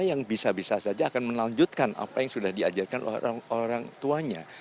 yang bisa bisa saja akan melanjutkan apa yang sudah diajarkan orang tuanya